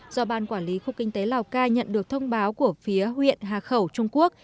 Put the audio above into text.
do ban quản lý khu kinh tế lào cai nhận được thông báo của phía huyện hà khẩu trung quốc